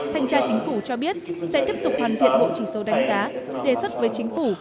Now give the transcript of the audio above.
thanh tra chính phủ cho biết sẽ tiếp tục hoàn thiện bộ chỉ số đánh giá đề xuất với chính phủ